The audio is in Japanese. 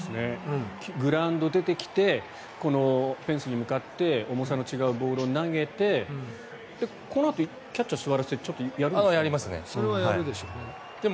グラウンドに出てきてフェンスに向かって重さの違うボールを投げてこのあとキャッチャーを座らせてちょっとやるんですか？